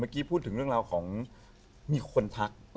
เมื่อกี้พูดถึงเรื่องของมีคนทัก